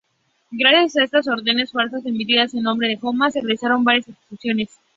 Gracias a estas órdenes falsas, emitidas en nombre de Homma, se realizaron varias ejecuciones.